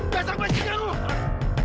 gak sampai setiap hari